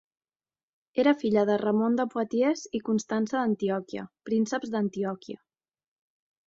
Era filla de Ramon de Poitiers i Constança d'Antioquia, prínceps d'Antioquia.